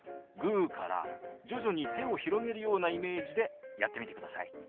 グーから徐々に手を広げるようなイメージでやってみてください。